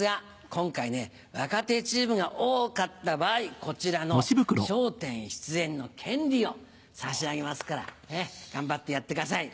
今回若手チームが多かった場合こちらの『笑点』出演の権利を差し上げますから頑張ってやってください。